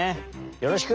よろしく。